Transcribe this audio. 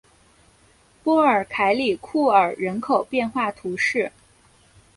波尔凯里库尔人口变化图示